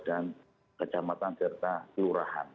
dan kecamatan serta kelurahan